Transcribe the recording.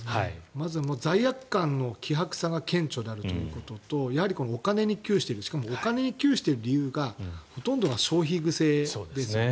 まず罪悪感の希薄さが顕著であるということとお金に窮している理由がほとんどが消費癖ですよね